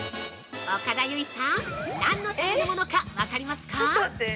◆岡田結実さん何のためのものか分かりますか？